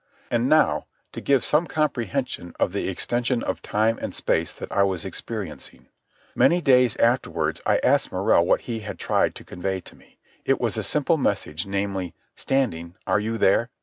And now, to give some comprehension of the extension of time and space that I was experiencing. Many days afterwards I asked Morrell what he had tried to convey to me. It was a simple message, namely: "Standing, are you there?"